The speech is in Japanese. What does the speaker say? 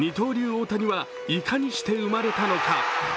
大谷は、いかにして生まれたのか。